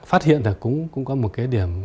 phát hiện là cũng có một cái điểm